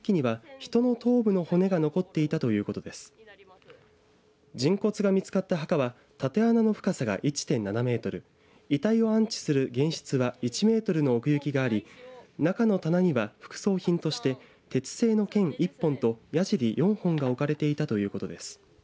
人骨が見つかった墓は縦穴の深さが１．７メートル遺体を安置する玄室は１メートルの奥行きがあり中の棚には副葬品として鉄製の剣１本と矢じり４本が置かれていたということです。